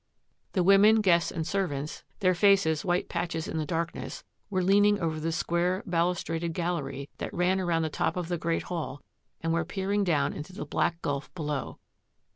The women, guests and servants, their faces white patches in the darkness, were leaning over the square, balustraded gallery that ran around the top of the Great Hall and were peering down into the black gulf below.